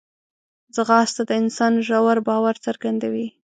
ځغاسته د انسان ژور باور څرګندوي